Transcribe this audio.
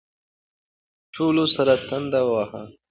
ټولو سر تندی واهه.